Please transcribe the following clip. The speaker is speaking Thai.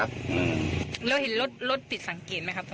แล้วเห็นรถรถติดสังเกตไหมครับ